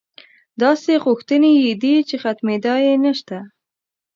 داسې غوښتنې یې دي چې ختمېدا یې نشته.